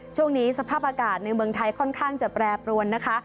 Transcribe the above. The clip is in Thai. ช่วงนี้สภาพอากาศในเมืองไทยค่อนข้างจะแปรปรวนนะคะ